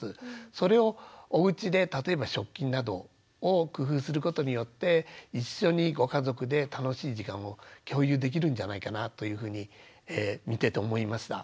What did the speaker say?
それをおうちで例えば食器などを工夫することによって一緒にご家族で楽しい時間を共有できるんじゃないかなというふうに見てて思いました。